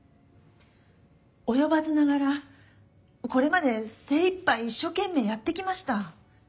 及ばずながらこれまで精いっぱい一生懸命やってきました。